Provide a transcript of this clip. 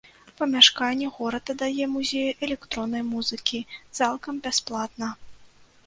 Памяшканне горад аддае музею электроннай музыкі цалкам бясплатна.